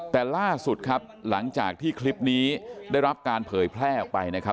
แต่ล่าสุดครับหลังจากที่คลิปนี้ได้รับการเผยแพร่ออกไปนะครับ